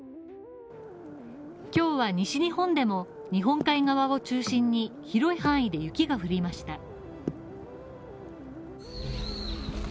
今日は西日本でも日本海側を中心に広い範囲で雪が降りました。